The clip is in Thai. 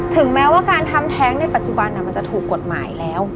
ถึงแม้ว่าการทำแท้งในปัจจุบันมันจะถูกกฎหมายแล้ว